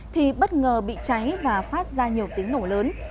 thì bất ngờ bị cháy và phát ra nhiều tiếng nổ lớn